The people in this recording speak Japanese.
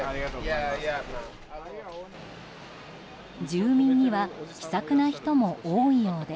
住民には気さくな人も多いようで。